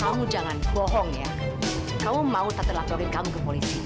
kamu jangan bohong ya kamu mau tata laporin kamu ke polisi